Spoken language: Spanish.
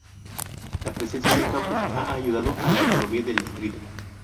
La presencia del campus ha ayudado a la economía del distrito.